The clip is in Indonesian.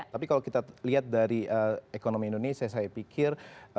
tapi kalau kita lihat dari ekonomi indonesia saya pikir